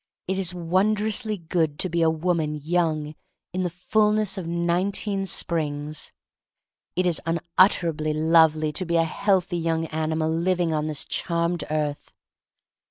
It is wondrously good to be a woman young in the full ness of nineteen springs. It is unutter ably lovely to be a healthy young animal living on this charmed earth.